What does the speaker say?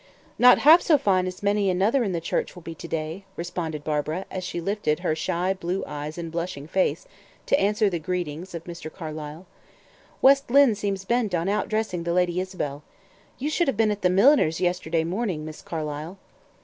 "Not half so fine as many another in the church will be to day," responded Barbara, as she lifted her shy blue eyes and blushing face to answer the greetings of Mr. Carlyle. "West Lynne seems bent on out dressing the Lady Isabel. You should have been at the milliner's yesterday morning, Miss Carlyle."